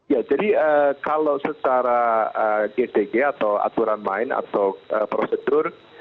ya jadi kalau secara gtg atau aturan main atau prosedur